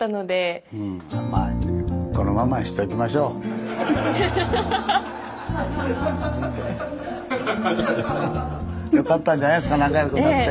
うんまあよかったんじゃないですか仲よくなって。